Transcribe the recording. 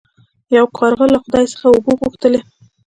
یو کارغه له خدای څخه اوبه وغوښتلې.